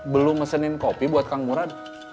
belum mesenin kopi buat kang murad